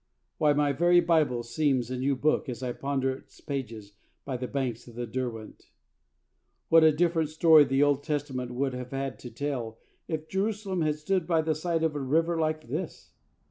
Why, my very Bible seems a new book as I ponder its pages by the banks of the Derwent. What a different story the Old Testament would have had to tell if Jerusalem had stood by the side of a river like this!